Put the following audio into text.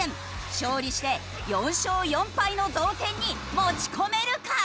勝利して４勝４敗の同点に持ち込めるか！？